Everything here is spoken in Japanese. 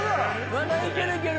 まだいけるいける。